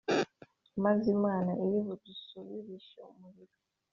Maze Imana iri budusubirishe umuriro